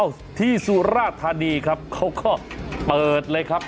ที่สุราธานีครับเขาก็เปิดเลยครับ